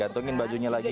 gantungin bajunya lagi